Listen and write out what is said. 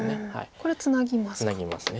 これはツナぎますか。